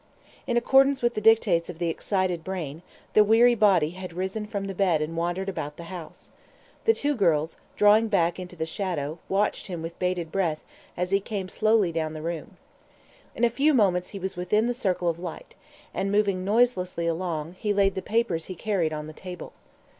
In accordance with the dictates of the excited brain, the weary body had risen from the bed and wandered about the house. The two girls, drawing back into the shadow, watched him with bated breath as he came slowly down the room. In a few moments he was within the circle of light, and, moving noiselessly along, he laid the papers he carried on the table.